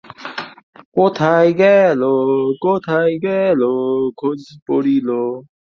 কোথায় গেল কোথায় গেল খোঁজ পড়িল।